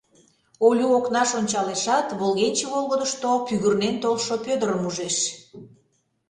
Олю окнаш ончалешат, волгенче волгыдышто пӱгырнен толшо Пӧдырым ужеш.